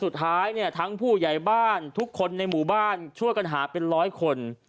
สุดท้ายเนี่ยทั้งผู้ใหญ่บ้านทุกคนในหมู่บ้านช่วยกันหาเป็นร้อยคน